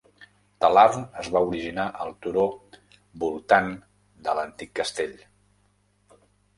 Talarn es va originar al turó voltant de l'antic castell.